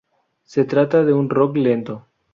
Se trata de un rock lento.